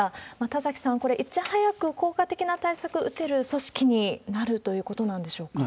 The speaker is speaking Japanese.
田崎さん、これ、いち早く効果的な対策打てる組織になるということなんでしょうか。